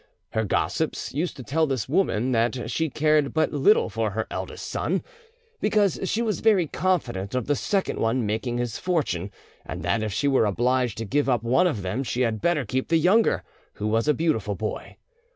Her gossips used to tell this woman that she cared but little for her eldest son, because she was very confident of the second one making his fortune, and that if she were obliged to give up one of them, she had better keep the younger, who was a beautiful boy.